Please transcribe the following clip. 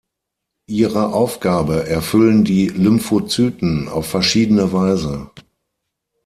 Ihre Aufgabe erfüllen die Lymphozyten auf verschiedene Weise.